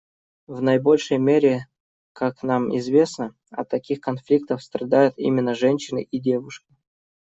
В наибольшей мере, как нам известно, от таких конфликтов страдают именно женщины и девушки.